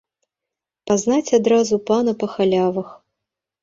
Пазнаць адразу пана па халявах.